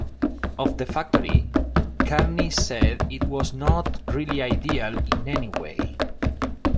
Of the factory, Carney said it was not really ideal in any way.